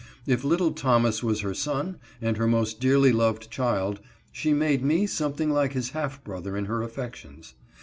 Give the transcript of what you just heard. If little Thomas was her son, and her most dearly loved child, she made me something like his half brother in her affections.